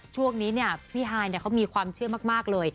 ช่วงนี้พี่ฮายเขามีความเชื่อมากเลย